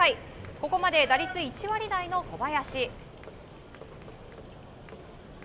ここまで打率１割台の小林。